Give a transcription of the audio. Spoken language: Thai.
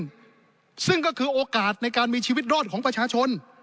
ซึ่งก็คือโอกาสในการมีชีวิตรอดของประชาชน